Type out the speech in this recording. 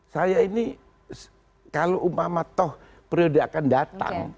saya ini kalau umpama toh periode akan datang